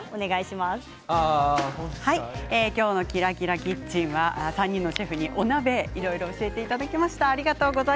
今日の「ＫｉｒａＫｉｒａキッチン」は３人のシェフにお鍋いろいろ教えていただきました。